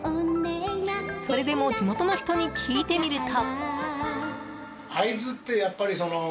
それでも地元の人に聞いてみると。